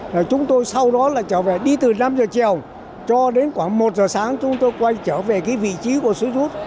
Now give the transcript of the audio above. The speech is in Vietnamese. rồi chúng tôi sau đó là trở về đi từ năm giờ chiều cho đến khoảng một giờ sáng chúng tôi quay trở về cái vị trí của sứ rút